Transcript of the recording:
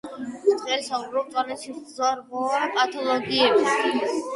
დღეს ვსაუბრობთ მწვავე სისხლძარღვოვან პათოლოგიებზე.